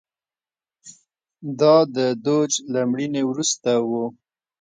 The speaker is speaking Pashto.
دا د دوج له مړینې وروسته و